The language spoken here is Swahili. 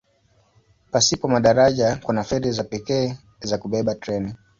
Pasipo madaraja kuna feri za pekee za kubeba treni.